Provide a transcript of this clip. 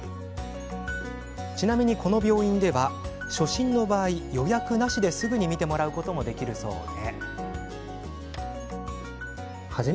ちなみにこの病院では初診の場合予約なしですぐに診てもらうこともできるそうで。